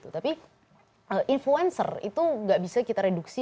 tapi influencer itu nggak bisa kita reduksi